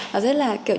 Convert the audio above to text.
nó rất là kiểu gì đó